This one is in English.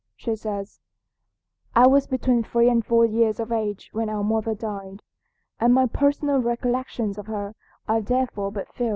She says: "I was between three and four years of age when our mother died, and my personal recollections of her are therefore but few.